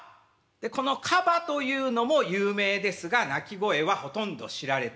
このカバというのも有名ですが鳴き声はほとんど知られてない。